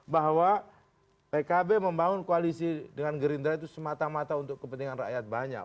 bahwa pkb membangun koalisi dengan gerindra itu semata mata untuk kepentingan rakyat banyak